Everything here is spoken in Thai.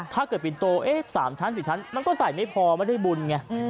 ปิ่นโต๊๓ชั้น๔ชั้นมันก็ใส่ไม่พอไม่ได้บุญไง